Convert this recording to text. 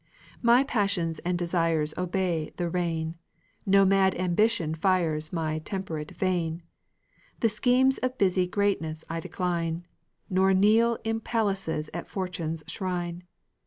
My passions and desires obey the rein; No mad ambition fires my temperate vein; The schemes of busy greatness I decline, Nor kneel in palaces at Fortune's shrine.